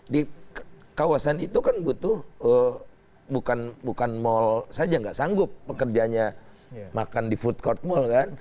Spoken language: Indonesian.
di kawasan itu kan butuh bukan mal saja nggak sanggup pekerjanya makan di food court mall kan